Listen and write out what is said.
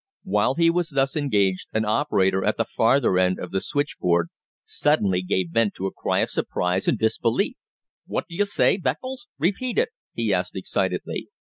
While he was thus engaged an operator at the farther end of the switchboard suddenly gave vent to a cry of surprise and disbelief. "What do you say, Beccles? Repeat it," he asked excitedly.